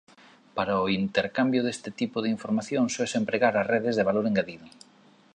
Para o intercambio deste tipo de información sóese empregar as redes de valor engadido.